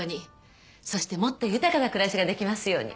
そしてもっと豊かな暮らしができますように。